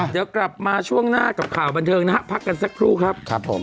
เดี๋ยวกลับมาช่วงหน้ากับข่าวบันเทิงนะฮะพักกันสักครู่ครับครับผม